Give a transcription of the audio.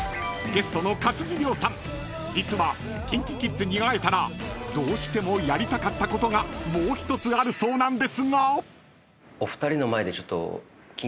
［ゲストの勝地涼さん実はＫｉｎＫｉＫｉｄｓに会えたらどうしてもやりたかったことがもう１つあるそうなんですが］